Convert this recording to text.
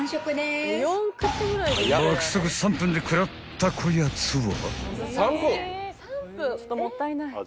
［爆速３分で食らったこやつは］